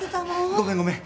ごめんごめん。